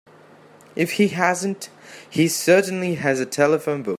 If he hasn't he certainly has a telephone book.